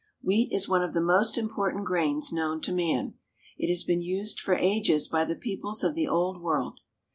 Wheat is one of the most important grains known to man. It has been used for ages by the peoples of the Old World.